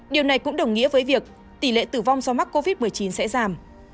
điều này cũng đồng nghĩa với việc tỷ lệ tử vong do mắc covid một mươi chín sẽ giảm